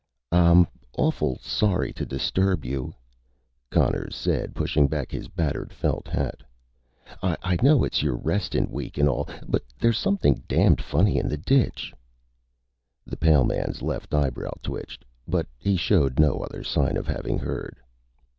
"I'm awful sorry to disturb you," Conners said, pushing back his battered felt hat. "I know it's your restin' week and all, but there's something damned funny in the ditch." The pale man's left eyebrow twitched, but he showed no other sign of having heard.